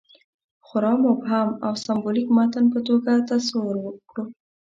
خورا مبهم او سېمبولیک متن په توګه تصور کړو.